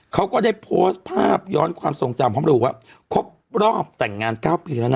เขาก็ได้โพสต์ภาพย้อนความทรงจำพรบรอบแต่งงาน๙ปีแล้วนะ